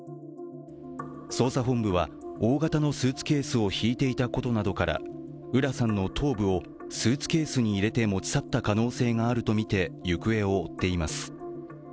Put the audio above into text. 捜査本部は、大型のスーツケースを引いていたことなどから浦さんの頭部をスーツケースに入れて持ち去った可能性があるとみて行方を追っています。